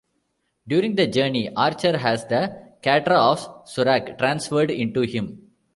During the journey, Archer has the katra of Surak transferred into him.